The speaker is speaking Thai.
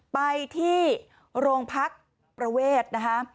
ไปที่โรงพักประเวทนะคะ